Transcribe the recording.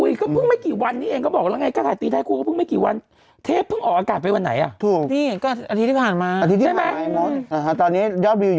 แต่ส่วนใหญ่พี่ติ๋มเขาไม่ได้อยู่กรุงเทพ